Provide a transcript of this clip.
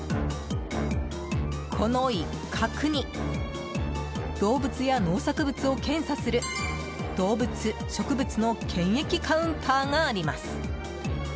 この一角に動物や農作物を検査する動物、植物の検疫カウンターがあります。